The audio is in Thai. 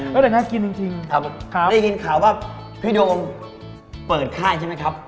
แล้วแต่น่ากินจริงครับครับพี่โดมเปิดค่ายใช่ไหมครับ